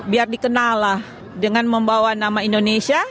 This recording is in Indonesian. biar dikenallah dengan membawa nama indonesia